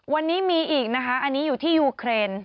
วันนี้มีอีกนะคะอันนี้อยู่ที่ยูเครน